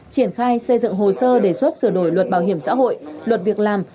triển khai xây dựng hồ sơ đề xuất sửa đổi luật bảo hiểm xã hội luật việc làm